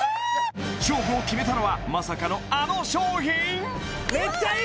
勝負を決めたのはまさかのあの商品！？